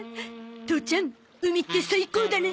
父ちゃん海って最高だね！